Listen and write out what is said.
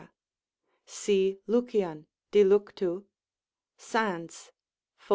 See Lucian, de Luctu, Sands fol.